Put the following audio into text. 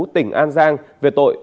tỉnh an giang về tội